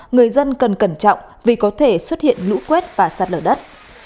người dân cần cẩn trọng vì có thể xuất hiện lũ quết và sát lở đất